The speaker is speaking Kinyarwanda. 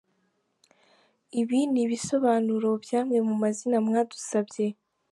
Ibi ni ibisobanuro by’amwe mu mazina mwadusabye.